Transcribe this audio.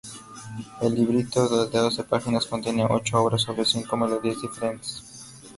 El librito de doce páginas contiene ocho obras sobre cinco melodías diferentes.